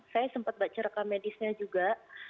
saya sempat baca rekam medisnya juga